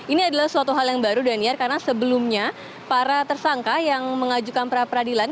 ini adalah suatu hal yang baru daniar karena sebelumnya para tersangka yang mengajukan perapradilan